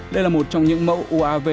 đây là một trong những mẫu uav